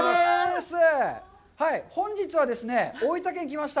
本日は、大分県に来ました。